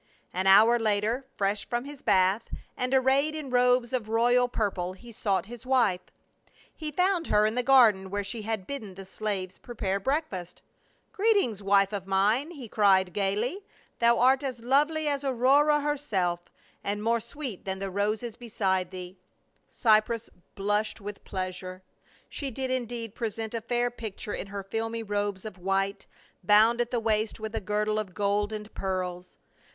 An hour later, fresh from his bath and arrayed in robes of royal purple, he sought his wife. He found her in the garden where she had bidden the slaves prepare breakfast. "Greetings, wife of mine," he cried gaily. "Thou art as lovely as Aurora herself, and more sweet than the roses beside thee." Cypros blushed with pleasure. She did indeed pre sent a fair picture in her filmy robes of white, bound at the waist with a girdle of gold and pearls.